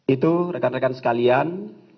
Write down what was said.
itu rekan rekan sekalian